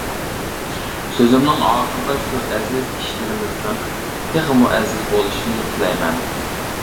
سۆزۈمنىڭ ئاخىرىدا، شۇ ئەزىز كىشىلىرىمىزنىڭ تېخىمۇ ئەزىز بولۇشىنى تىلەيمەن.